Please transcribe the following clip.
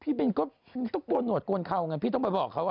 พี่บินก็ถูกโกรธโกนเขาพี่ต้องไปบอกเขา